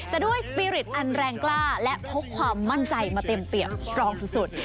แต่ด้วยสปีริตอันแรงกล้าและพกความมั่นใจมาเต็มเปรียบกรองสุด